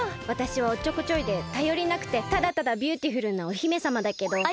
わたしはおっちょこちょいでたよりなくてただただビューティフルなお姫さまだけど。